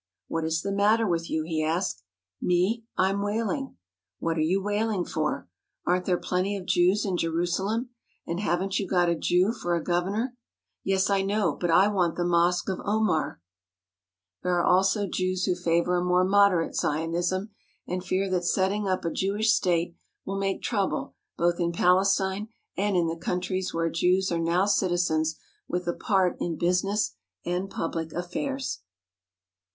"What is the matter with you?" he asked. "Me? I'm wailing!" "What are you wailing for? Aren't there plenty of Jews in Jerusalem? And haven't you got a Jew for a governor?" "Yes, I know, but I want the Mosque of Omar." 202 THE ZIONIST MOVEMENT There are also Jews who favour a more moderate Zionism, and fear that setting up a Jewish state will make trouble both in Palestine and in the countries where Jews are now citizens with a part in business and public afTairs.